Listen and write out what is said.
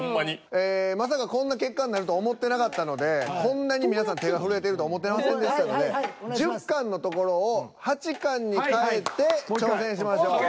ええまさかこんな結果になると思ってなかったのでこんなに皆さん手が震えてるとは思ってませんでしたので１０缶のところを８缶に変えて挑戦しましょう。